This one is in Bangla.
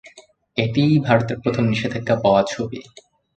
এটিই ভারতের প্রথম নিষেধাজ্ঞা পাওয়া ছবি।